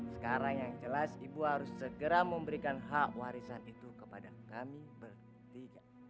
sekarang yang jelas ibu harus segera memberikan hak warisan itu kepada kami bertiga